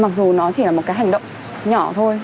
mặc dù nó chỉ là một cái hành động nhỏ thôi